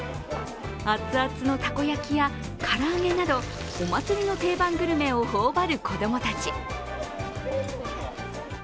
熱々のたこ焼きや唐揚げなどお祭りの定番グルメを頬ばる子供たち。